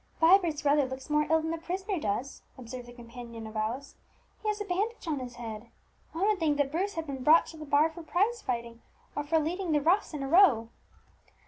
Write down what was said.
"Vibert's brother looks more ill than the prisoner does," observed the companion of Alice; "he has a bandage on his head. One would think that Bruce had been brought to the bar for prize fighting, or for leading the roughs in a row!"